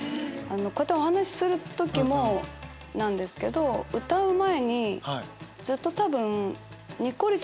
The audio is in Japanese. こうやってお話しする時もなんですけど歌う前にずっと多分。